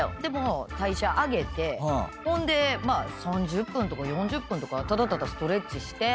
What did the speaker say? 代謝上げてほんで３０分とか４０分とかただただストレッチして。